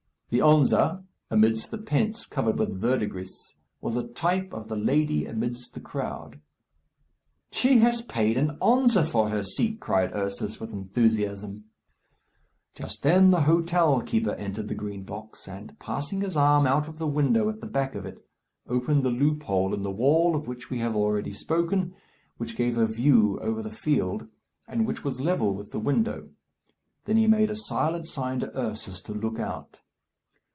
The onza amidst the pence covered with verdigris was a type of the lady amidst the crowd. "She has paid an onza for her seat," cried Ursus with enthusiasm. Just then, the hotel keeper entered the Green Box, and, passing his arm out of the window at the back of it, opened the loophole in the wall of which we have already spoken, which gave a view over the field, and which was level with the window; then he made a silent sign to Ursus to look out.